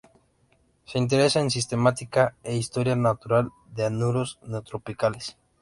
Se interesa en sistemática e Historia Natural de anuros neotropicales.